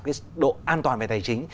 cái độ an toàn về tài chính